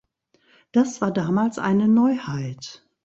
Das war damals eine Neuheit.